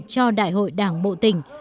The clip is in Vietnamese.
cho đại hội đảng bộ tỉnh